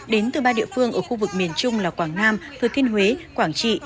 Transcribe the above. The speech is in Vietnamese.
đến từ ba địa phương ở khu vực miền trung là quảng nam thừa thiên huế quảng trị